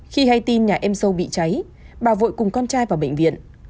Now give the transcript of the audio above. khi hay tin nhà em sâu bị cháy bà vội cùng con trai vào bệnh viện